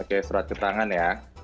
oke surat keterangan ya